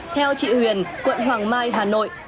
theo chị huyền quận hoàng mai hà nội